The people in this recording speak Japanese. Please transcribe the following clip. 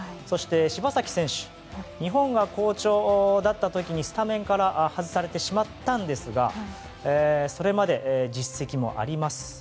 そして、柴崎選手は日本が好調だった時にスタメンから外されてしまったんですがそれまでの実績もあります。